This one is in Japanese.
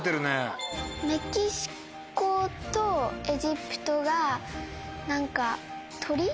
メキシコとエジプトが何か鳥？